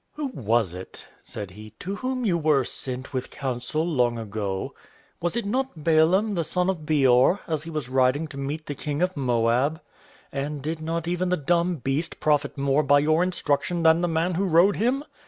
"Who was it," said he, "to whom you were sent with counsel long ago? Was it not Balaam the son of Beor, as he was riding to meet the King of Moab? And did not even the dumb beast profit more by your instruction than the man who rode him?